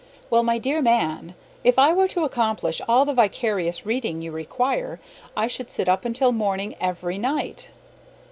Well, my dear man, if I were to accomplish all the vicarious reading you require, I should sit up until morning every night.